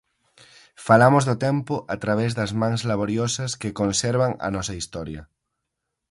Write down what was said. Falamos do tempo a través das mans laboriosas que conservan a nosa historia.